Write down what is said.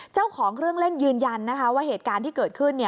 เจ้าของเครื่องเล่นยืนยันนะคะว่าเหตุการณ์ที่เกิดขึ้น